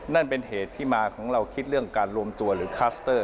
นั่นเป็นเหตุที่มาของเราคิดเรื่องการรวมตัวหรือคัสเตอร์